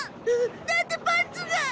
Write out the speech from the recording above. だってパンツが！